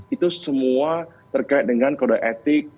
itu semua terkait dengan kode etik